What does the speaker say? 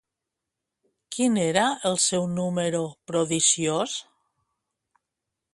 Quin era el seu número prodigiós?